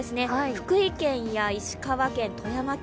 福井県や石川県、富山県。